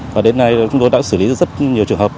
và đến nay chúng tôi đã xử lý rất nhiều trường hợp